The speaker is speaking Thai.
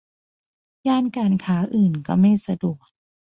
ย่านการค้าอื่นก็ไม่สะดวก